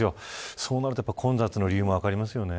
そうなると混雑の理由も分かりますよね。